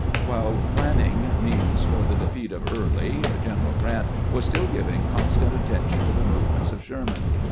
While planning means for the defeat of Early, Glen eral Grant was still giving constant attention to the movements of Sherman.